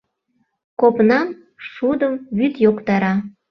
— Копнам, шудым вӱд йоктара!